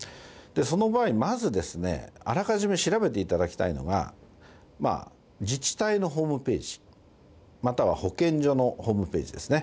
その場合、まずあらかじめ調べていただきたいのが、自治体のホームページ、または保健所のホームページですね。